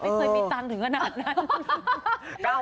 ไม่เคยมีทันถึงขนาดนั้น